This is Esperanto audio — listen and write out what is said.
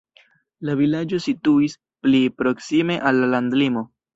La vilaĝo situis pli proksime al la landlimo.